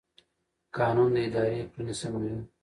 قانون د ادارې کړنې سموي.